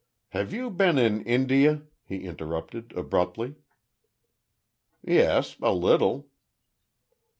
"Have you been in India?" he interrupted, abruptly. "Yes, a little."